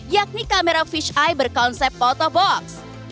yakni kamera fisheye berkonsep photobox